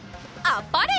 あっぱれ！